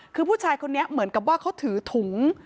คือผู้ชายคนนี้เหมือนกับว่าเขาถือถุง